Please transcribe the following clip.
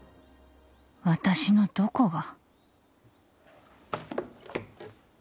私のどこが